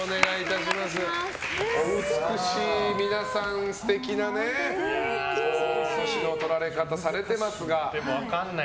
お美しい、皆さん素敵な年の取られ方をされていますが。